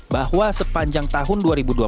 bahwa sepanjang tahun dua ribu dua puluh